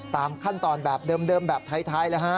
ตามขั้นตอนแบบเดิมแบบไทยเลยฮะ